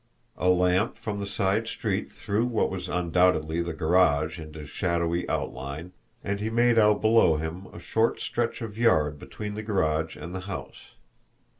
A lamp from the side street threw what was undoubtedly the garage into shadowy outline, and he made out below him a short stretch of yard between the garage and the house.